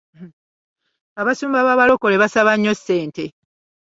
Abasumba b'Abalokole basaba nnyo ssente.